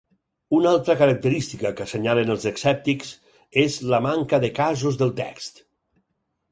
Una altra característica que assenyalen els escèptics és la manca de casos del text.